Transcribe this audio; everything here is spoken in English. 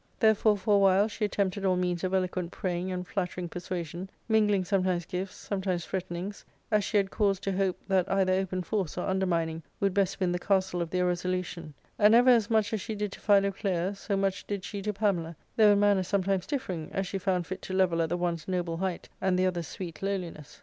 Therefore for a while she attempted all means of eloquent praying and flattering persuasion, mingling sometimes gifts, sometimes threaten ings, as she had cause to hope that either open force or undermining would best win the castle of their resolution* And ever as much as she did to Philoclea, so much did she to Pamela, though in manner sometimes differing, as she found fit to level at the one's noble height and the other's sweet lowliness.